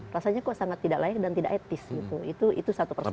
rasanya kok sangat tidak layak dan tidak etis gitu itu satu persoalan